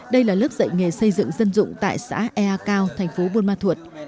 đây là lớp dạy nghề xây dựng dân dụng tại xã ea cao thành phố buôn ma thuột